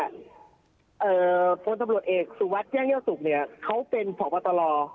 ส่วนสำรวจเอกสุวัทย์แบรนดี้เลี้ยวสุขเค้าเป็นผอบอตร